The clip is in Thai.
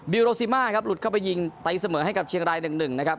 โรซิมาครับหลุดเข้าไปยิงตีเสมอให้กับเชียงราย๑๑นะครับ